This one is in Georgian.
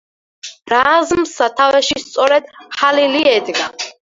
რაზმს სათავეში სწორედ ჰალილი ედგა.